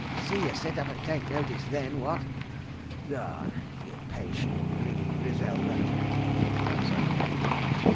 ... See you sit up and take notice then, what? Garn! You patient, grinning Griselda ..." and so forth.